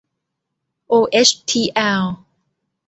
โอเอชทีแอล